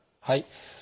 はい。